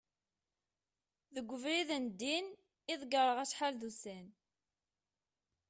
deg ubrid n ddin i ḍegreɣ acḥal d ussan